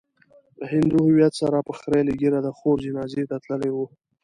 هندو هويت سره په خريلې ږيره د خور جنازې ته تللی و.